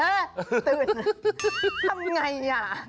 ตื่นทำไงนี่